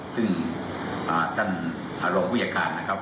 ซึ่งท่านหลวงพุยการนะครับ